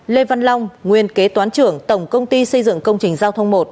lê văn long nguyên kế toán trưởng tổng công ty xây dựng công trình giao thông một